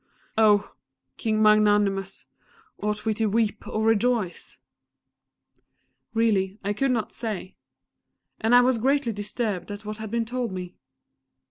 Oh! King Magnanimous, ought we to weep or rejoice?" Really, I could not say. And I was greatly disturbed at what had been told me.